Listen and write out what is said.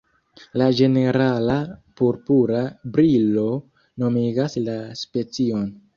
La ĝenerala purpura brilo nomigas la specion.